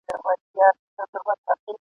بیا هم ته نه وې لالا !.